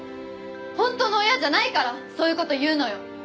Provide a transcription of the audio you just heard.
本当の親じゃないからそういう事言うのよ！